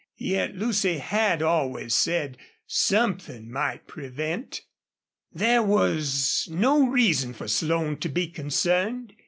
Yet Lucy had always said something might prevent. There was no reason for Slone to be concerned.